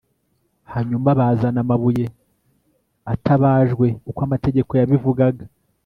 hanyuma bazana amabuye atabajwe, uko amategeko yabivugaga